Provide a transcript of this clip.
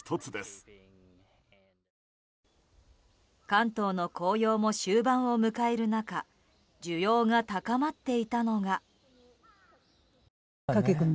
関東の紅葉も終盤を迎える中需要が高まっていたのが。